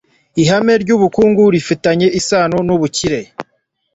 Ihame ryubukungu rifitanye isano nubukire